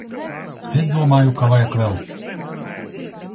Es domāju ka vajag vēl.